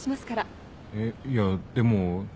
えっいやでも。